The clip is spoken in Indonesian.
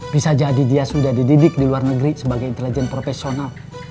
bisa jadi dia sudah dididik di luar negeri sebagai intelijen profesional